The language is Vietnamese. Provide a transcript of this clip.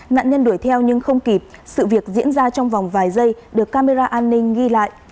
nạn nhân đuổi theo nhưng không kịp sự việc diễn ra trong vòng vài giây được camera an ninh ghi lại